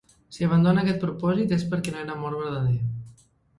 Si abandona aquest propòsit, és perquè no era amor vertader...